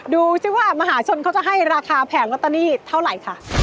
ดูสิว่ามหาชนเขาจะให้ราคาแผงลอตเตอรี่เท่าไหร่ค่ะ